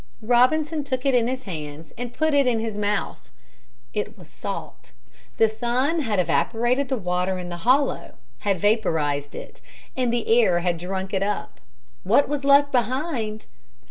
Robinson took it in his hands and put it in his mouth. It was salt. The sun had evaporated the water in the hollow had vaporized it and the air had drunk it up. What was left behind?